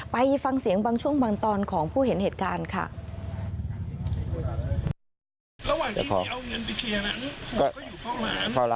ไปฟังเสียงบางช่วงบางตอนของผู้เห็นเหตุการณ์ค่ะ